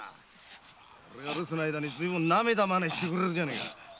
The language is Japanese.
俺が留守の間になめた真似してくれるじゃねえか。